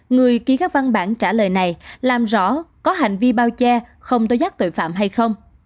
người ký các văn bản trả lời này làm rõ có hành vi bao che không tối giác tội phạm hay không